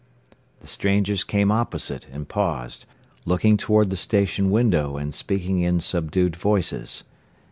The strangers came opposite, and paused, looking toward the station window and speaking in subdued voices.